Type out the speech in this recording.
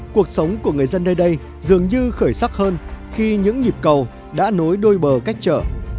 cuộc sống của người dân nơi đây dường như khởi sắc hơn khi những nhịp cầu đã nối đôi bờ cách trở